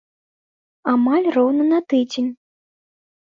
Амаль роўна на тыдзень.